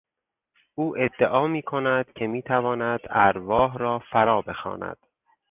او ادعا میکند که میتواند ارواح را فرا بخواند.